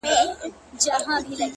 چي لــه ژړا سره خبـري كوم،